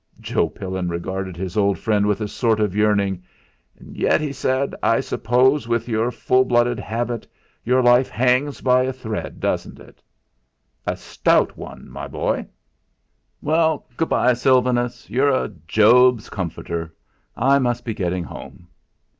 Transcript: Joe Pillin regarded his old friend with a sort of yearning. "And yet," he said, "I suppose, with your full blooded habit, your life hangs by a thread, doesn't it?" "A stout one, my boy" "Well, good bye, Sylvanus. You're a Job's comforter; I must be getting home."